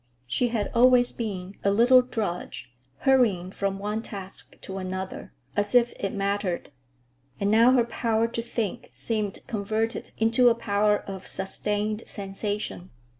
She had always been a little drudge, hurrying from one task to another—as if it mattered! And now her power to think seemed converted into a power of sustained sensation.